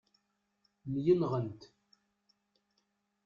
Myenɣent.